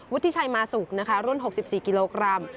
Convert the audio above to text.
วุฒิชัยมาศุกร์ในรุ่น๖๔กิโลกรัม